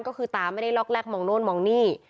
ก็คือตาไม่ได้ล็อกแรกมองโน่นมองนี่